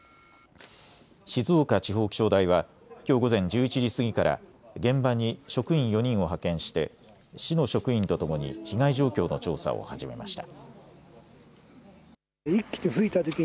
静岡地方気象台はきょう午前１１時過ぎから現場に職員４人を派遣して市の職員とともに被害状況の調査を始めました。